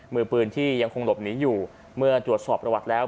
มือปืนที่ยังคงหลบหนีอยู่เมื่อตรวจสอบประวัติแล้ว